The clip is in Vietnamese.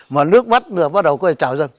mà nước mắt bắt đầu có thể chào dân